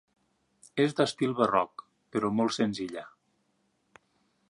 És d'estil barroc però molt senzilla.